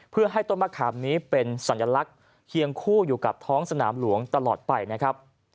เพื่อให้ต้นมะขามนี้เป็นสัญลักษณ์เคียงคู่อยู่กับท้องสนามหลวงตลอดไปนะครับ